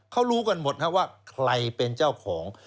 เขารู้กันหมดว่าใครเป็นเจ้าของ